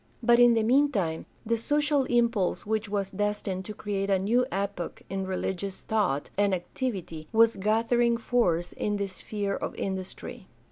But in the meantime the social impulse which was destined to create a new epoch 'n religious thought and activity was gathering force in the sphere of industry.